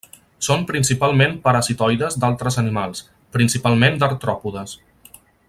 Són principalment parasitoides d'altres animals, principalment d'artròpodes.